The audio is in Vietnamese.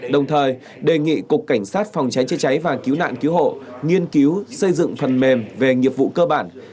đồng thời đề nghị cục cảnh sát phòng cháy chữa cháy và cứu nạn cứu hộ nghiên cứu xây dựng phần mềm về nghiệp vụ cơ bản